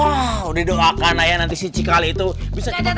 wah udah doakan aja nanti si cikali itu bisa cek mantu